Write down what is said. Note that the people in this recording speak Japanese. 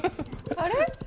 あれ？